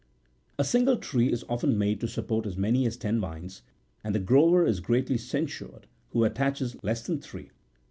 A single tree is often made to support as many as ten vines, and the grower is greatly censured who attaches less than three.